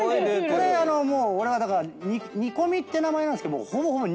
これ俺はだからにこみって名前なんですけどほぼほぼ。